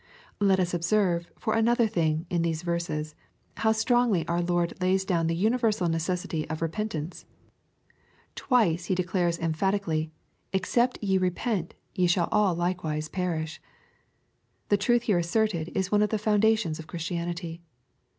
Let us observe, for another thing, in these verses, how strongly our Lord lays down the universal necessity of repentance. Twice He declares emphatically, " Except /e repent, ye shall all likewise perish." The truth here asserted, is one of the foundations of Christianity.